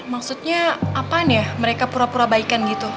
maksudnya apaan ya mereka pura pura baikan gitu